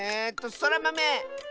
そらまめ！